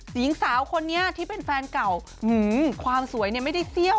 หญิงสาวคนนี้ที่เป็นแฟนเก่าความสวยเนี่ยไม่ได้เซี่ยว